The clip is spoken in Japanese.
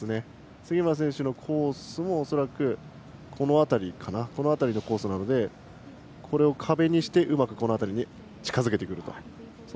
杉村選手のコースも恐らくこの辺りのコースなのでこれを壁にしてうまく近づけてくるという。